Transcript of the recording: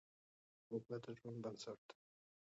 اوبه د ژوند بنسټ دی.